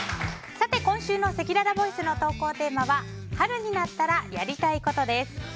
今週のせきららボイスの投稿テーマは春になったらやりたいことです。